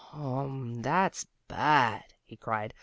"Hum! That's bad," he cried.